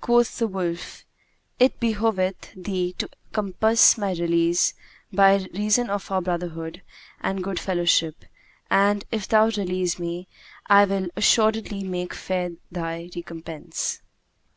Quoth the wolf, "It behoveth thee to compass my release, by reason of our brotherhood and good fellowship; and, if thou release me, I will assuredly make fair thy recompense."